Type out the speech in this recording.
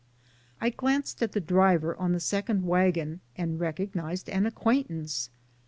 I glanced at the driver on the second wagon and recognized an acquaintance.